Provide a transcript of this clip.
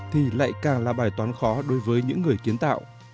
thì lại càng là bài toán khó đối với những người kiến tạo